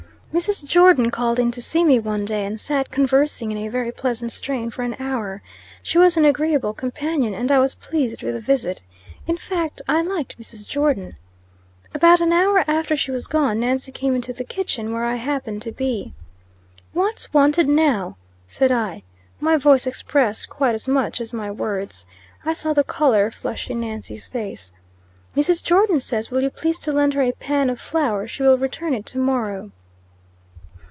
Mrs. Jordon called in to see me one day, and sat conversing in a very pleasant strain for an hour. She was an agreeable companion, and I was pleased with the visit. In fact, I liked Mrs. Jordon. About an hour after she was gone, Nancy came into the kitchen, where I happened to be. "What's wanted now?" said I. My voice expressed quite as much as my words. I saw the color flush in Nancy's face. "Mrs. Jordon says, will you please to lend her a pan of flour? She will return it to morrow."